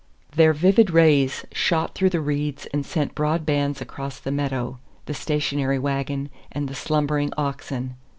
Their vivid rays shot through the reeds and sent broad bands across the meadow, the stationary wagon, and the slumbering oxen.